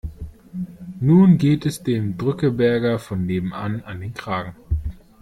Nun geht es dem Drückeberger von nebenan an den Kragen.